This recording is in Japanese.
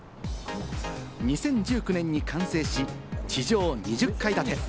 ２０１９年に完成し、地上２０階建て。